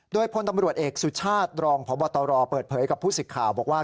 โดยพลตำรวจเอกสุชาติรองพบตรเปิดเผยกับผู้สิทธิ์ข่าวบอกว่า